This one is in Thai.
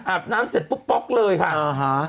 อันนี้เปล่า